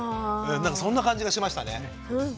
なんかそんな感じがしましたね。